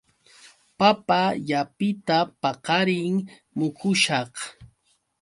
Papa llapita paqarin mukushaq.